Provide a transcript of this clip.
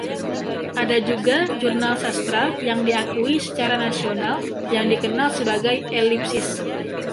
Ada juga jurnal sastra yang diakui secara nasional yang dikenal sebagai "Ellipsis".